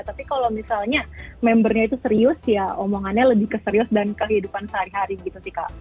tapi kalau misalnya membernya itu serius ya omongannya lebih ke serius dan kehidupan sehari hari gitu sih kak